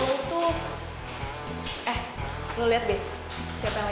benar mengenali lengkungan